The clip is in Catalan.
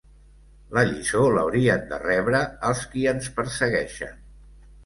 La lliçó l’haurien de rebre els qui ens persegueixen.